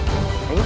jangan benci aku